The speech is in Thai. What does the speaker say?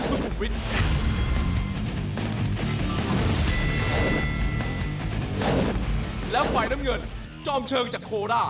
สวัสดีครับ